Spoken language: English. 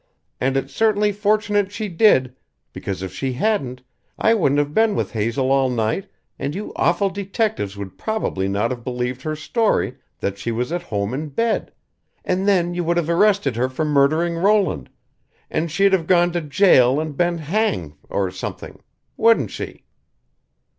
And it's certainly fortunate she did, because if she hadn't I wouldn't have been with Hazel all night and you awful detectives would probably not have believed her story that she was at home in bed, and then you would have arrested her for murdering Roland and she'd have gone to jail and been hanged or something. Wouldn't she?"